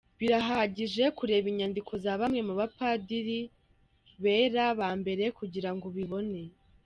Birahagije kureba inyandiko za bamwe mu bapadiri bera ba mbere kugira ngo ubibone.